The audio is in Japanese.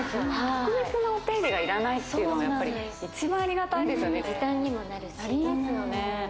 特別なお手入れがいらないっていうのが一番ありがたいです・時短にもなるし・なりますよね